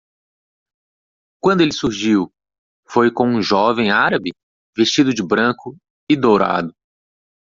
Quando ele surgiu? foi com um jovem árabe? vestido de branco e dourado.